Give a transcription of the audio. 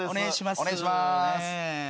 お願いします。